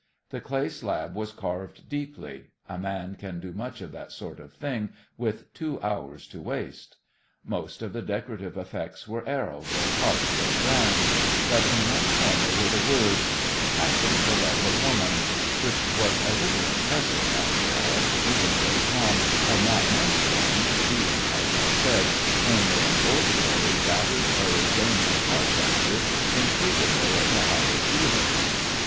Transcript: The clay slab was carved deeply a man can do much of that sort of thing with two hours to waste. Most of the decorative effects were arrows, or hearts, or brands, but in one corner were the words, "passing the love of woman," which was a little impressive after all, even though Tom had not meant them, being, as I said, only an ordinary battered Arizona cow puncher incapable of the higher feelings.